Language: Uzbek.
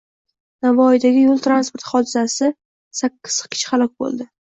Navoiydagi yo´l transport hodisasidasakkizkishi halok bo‘ldi